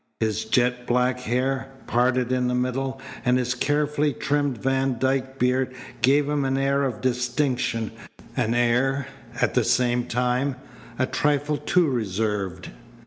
His jet black hair, parted in the middle, and his carefully trimmed Van Dyke beard gave him an air of distinction, an air, at the same time, a trifle too reserved.